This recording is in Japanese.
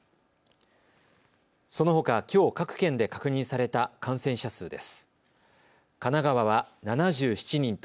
そのほか、きょう各県で確認された感染者数です。